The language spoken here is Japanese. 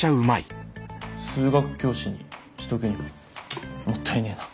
数学教師にしとくにはもったいねえな。